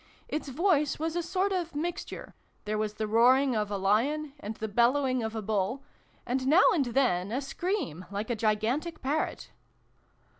Its voice was a sort of mixture there was the roaring of a lion, and the bellowing of a bull, and now and then a scream like a gigantic parrot.